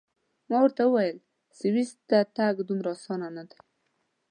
ما ورته وویل: سویس ته تګ دومره اسان نه دی.